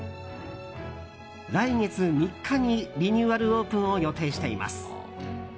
来月３日にリニューアルオープンを予定しています。